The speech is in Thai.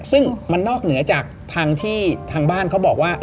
ซึ่งมันนอกเหนือจากทางที่ทางบ้านเขาบอกว่า